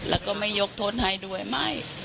แล้วก็ไม่ยกท้นให้ด้วยไม่